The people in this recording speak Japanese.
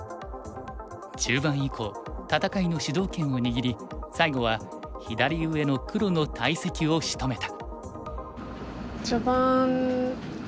中盤以降戦いの主導権を握り最後は左上の黒の大石をしとめた。